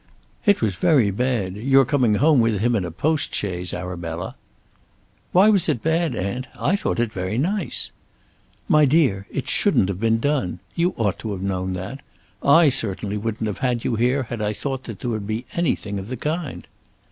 "It was very bad, your coming home with him in a postchaise, Arabella." "Why was it bad, aunt? I thought it very nice." "My dear, it shouldn't have been done. You ought to have known that. I certainly wouldn't have had you here had I thought that there would be anything of the kind."